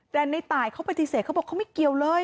แต่ในตายเขาปฏิเสธเขาบอกเขาไม่เกี่ยวเลย